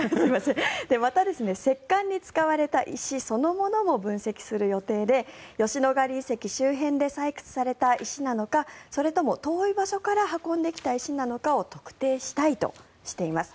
また石棺に使われた石そのものも分析する予定で吉野ヶ里遺跡周辺で採掘された石なのかそれとも遠い場所から運んできた石なのかを分析したいとしています。